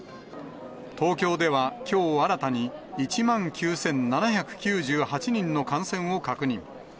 東京ではきょう新たに、１万９７９８人の感染を確認。